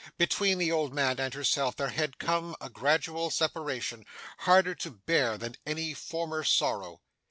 Between the old man and herself there had come a gradual separation, harder to bear than any former sorrow.